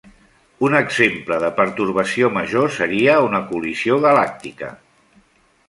Un exemple de pertorbació major seria una col·lisió galàctica.